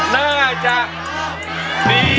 น่าจะบกดี